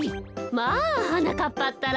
まあはなかっぱったら。